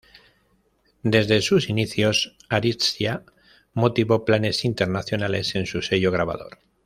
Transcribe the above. Desde sus inicios, Ariztía motivó planes internacionales en su sello grabador.